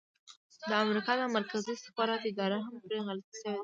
د امریکا د مرکزي استخباراتو اداره هم پرې غلطه شوې وه.